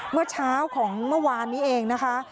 เมื่อเช้าของเมื่อวานนี้เองนะคะ